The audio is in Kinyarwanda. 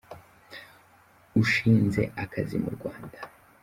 ushinze akazi mu Rwanda.